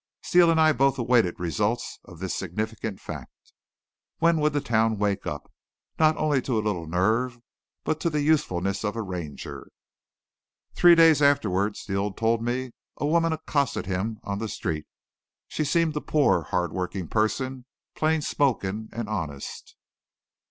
Steele and I both awaited results of this significant fact. When would the town wake up, not only to a little nerve, but to the usefulness of a Ranger? Three days afterward Steele told me a woman accosted him on the street. She seemed a poor, hardworking person, plain spoken and honest.